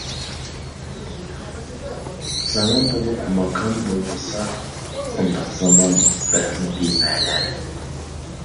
زامان بولۇپ ماكان بولمىسا، ئۇنداق زامان بەكمۇ بىمەنە.